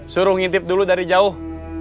suruh ngintip dulu dari jauh